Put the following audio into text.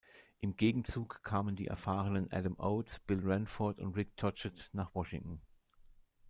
Im Gegenzug kamen die erfahrenen Adam Oates, Bill Ranford und Rick Tocchet nach Washington.